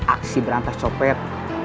aksi berantas copet